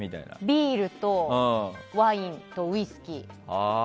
ビールとワインとウイスキー。